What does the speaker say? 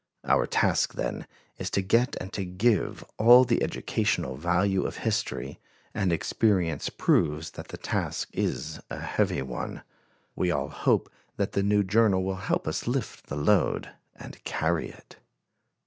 Our task, then, is to get and to give all the educational value of history; and experience proves that the task is a heavy one. We all hope that the new journal will help us lift the load and carry it.